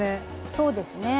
そうですね。